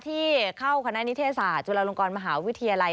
ที่เข้าคณะนิเทศศาสตร์จุฬาลงกรมหาวิทยาลัย